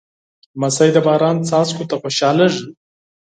لمسی د باران څاڅکو ته خوشحالېږي.